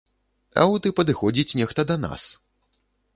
А от і падыходзіць нехта да нас!